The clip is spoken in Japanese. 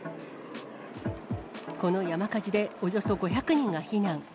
この山火事でおよそ５００人が避難。